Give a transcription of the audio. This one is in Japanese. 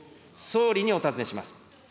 総理にお尋ねします。